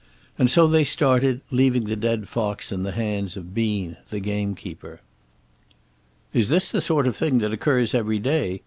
And so they started, leaving the dead fox in the hands of Bean the gamekeeper. "Is this the sort of thing that occurs every day?"